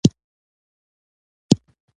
موږ په ژمي کې صندلی ږدو.